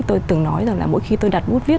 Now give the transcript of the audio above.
tôi từng nói rằng là mỗi khi tôi đặt bút viết